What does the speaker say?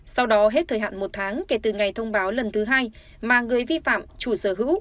sau đó hết thời hạn một tháng kể từ ngày thông báo lần thứ hai mà người vi phạm chủ sở hữu